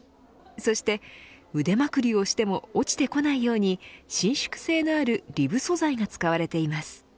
そして、腕まくりをしても落ちてこないように伸縮性のあるリブ素材が使われています。